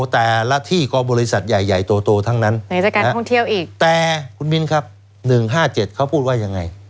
แต่ละที่ก็บริษัทใหญ่โตทั้งนั้นแต่คุณมิ้นครับ๑๕๗เขาพูดว่ายังไง